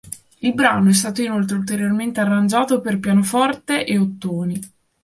Il brano è stato inoltre ulteriormente arrangiato per pianoforte e ottoni.